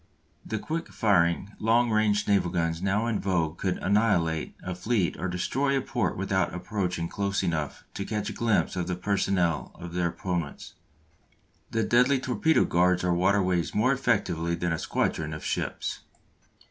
The quick firing long range naval guns now in vogue could annihilate a fleet or destroy a port without approaching close enough to catch a glimpse of the personnel of their opponents. The deadly torpedo guards our waterways more effectually than a squadron of ships.